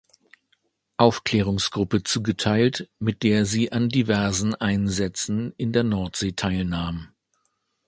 Aufklärungsgruppe zugeteilt, mit der sie an diversen Einsätzen in der Nordsee teilnahm.